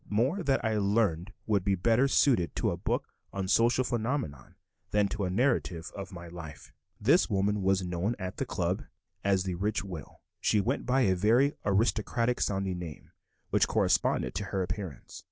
More that I learned would be better suited to a book on social phenomena than to a narrative of my life. This woman was known at the "Club" as the rich widow. She went by a very aristocratic sounding name, which corresponded to her appearance.